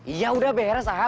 iya udah beres ahah